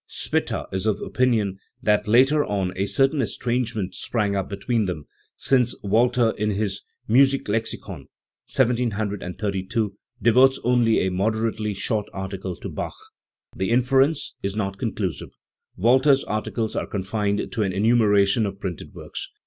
Spitta is of opinion that later on a cer tain estrangement sprang up between them, since Walther in his Musiklexikon (1732) devotes only a moderately short article to Bach. The inference is rot conclusive. Walther's articles are confined to an enumeration of printed works.